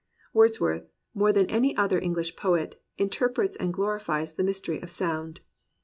Wordsworth, more than any other English poet, interprets and glorifies the mystery of sound.